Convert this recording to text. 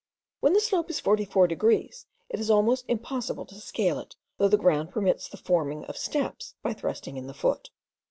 When the slope is 44 degrees, it is almost impossible to scale it, though the ground permits the forming of steps by thrusting in the foot.